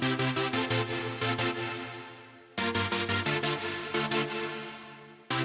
ditutup dengan empat ratus